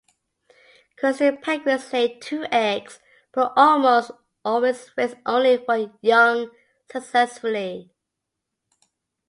Crested penguins lay two eggs, but almost always raise only one young successfully.